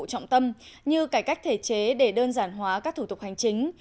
trọng tâm như cải cách thể chế để đơn giản hóa các thủ tục hành chính